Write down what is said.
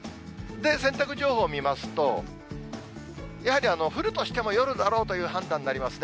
洗濯情報を見ますと、やはり降るとしても夜だろうという判断になりますね。